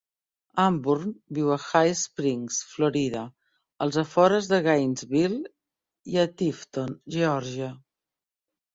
Amburn viu a High Springs, Florida, als afores de Gainesville i a Tifton, Geòrgia.